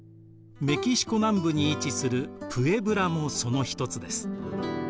メキシコ南部に位置するプエブラもその一つです。